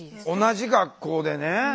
同じ学校でね